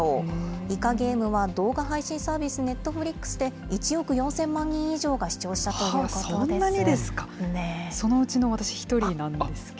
イカゲームは動画配信サービス、ネットフリックスで１億４０００万人以上が視聴したということでそんなにですか。